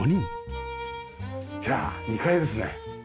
じゃあ２階ですね。